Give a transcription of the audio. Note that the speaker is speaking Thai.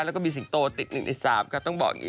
แล้วก็มีสิงโตติด๑ใน๓ค่ะต้องบอกอย่างนี้